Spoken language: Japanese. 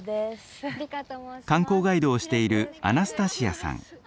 観光ガイドをしているアナスタシアさん。